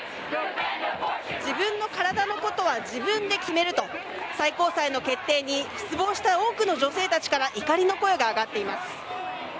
自分の体のことは自分で決めると最高裁の決定に失望した多くの女性たちから怒りの声が上がっています。